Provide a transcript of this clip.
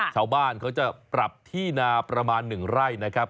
ชาวบ้านเขาจะปรับที่นาประมาณ๑ไร่นะครับ